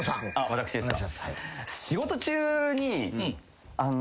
私ですか。